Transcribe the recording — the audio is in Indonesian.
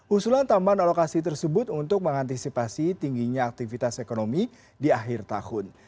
usulan tambahan alokasi tersebut untuk mengantisipasi tingginya aktivitas ekonomi di akhir tahun